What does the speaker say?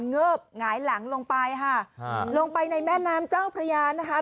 เงิบหงายหลังลงไปค่ะลงไปในแม่น้ำเจ้าพระยานะคะ